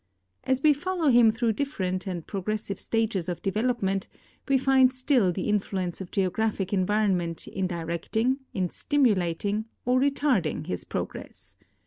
As we follow him through different and progressive stages of development, we find still the influ ence of geographic environment in directing, in stimulating, or retarding his progress.